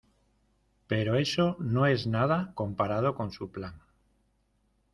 pero eso no es nada comparado con su plan.